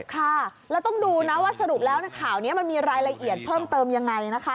ค่ะแล้วต้องดูนะว่าสรุปแล้วข่าวนี้มันมีรายละเอียดเพิ่มเติมยังไงนะคะ